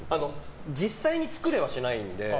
実際に作れはしないので。